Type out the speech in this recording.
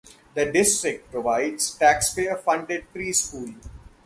The District provides taxpayer funded preschool.